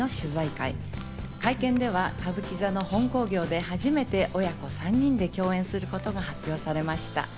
会見では歌舞伎座の本興行で、初めて親子３人で共演することが発表されました。